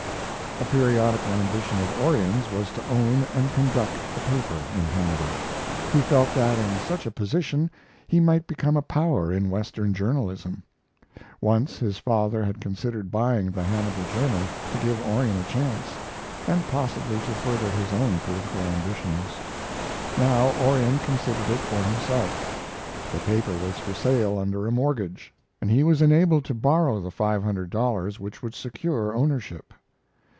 A periodical ambition of Orion's was to own and conduct a paper in Hannibal. He felt that in such a position he might become a power in Western journalism. Once his father had considered buying the Hannibal Journal to give Orion a chance, and possibly to further his own political ambitions. Now Orion considered it for himself. The paper was for sale under a mortgage, and he was enabled to borrow the $500 which would secure ownership.